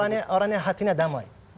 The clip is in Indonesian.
karena saya ini orang yang hatinya damai